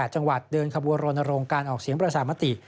จังหวัดเดินขบวนโรนโรงการออกเสียงประชามติ